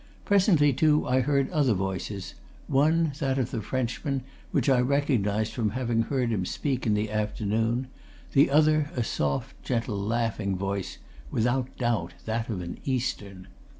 Presently, too, I heard other voices one that of the Frenchman, which I recognised from having heard him speak in the afternoon; the other a soft, gentle, laughing voice without doubt that of an Eastern.